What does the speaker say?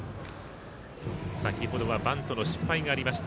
先ほどはバントの失敗がありました。